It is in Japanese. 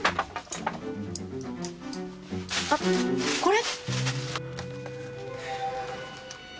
あっこれ。